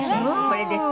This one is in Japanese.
これです。